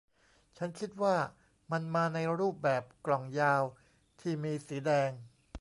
ฉันคิดว่ามันมาในรูปแบบกล่องยาวที่มีสีแดง